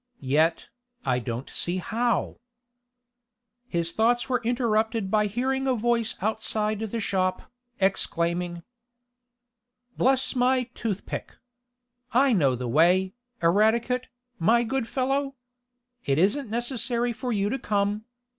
Yet, I don't see how " His thoughts were interrupted by hearing a voice outside the shop, exclaiming: "Bless my toothpick! I know the way, Eradicate, my good fellow. It isn't necessary for you to come.